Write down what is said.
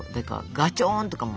「ガチョン」とかも。